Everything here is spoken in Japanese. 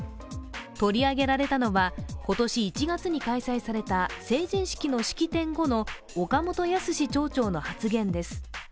取り上げられたのは、今年１月に開催された成人式の式典後の岡本靖町長の発言です。